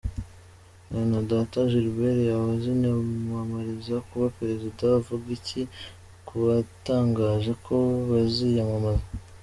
Mwenedata Gilbert yaba aziyamamariza kuba Perezida? Avuga iki kubatangaje ko baziyamamaza? .